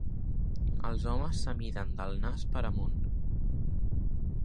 Els homes s'amiden del nas per amunt.